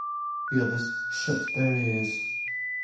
The others shut their ears.